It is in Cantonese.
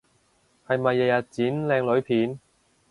係咪日日剪靚女片？